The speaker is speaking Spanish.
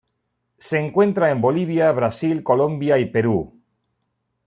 Se encuentra en Bolivia, Brasil, Colombia y Perú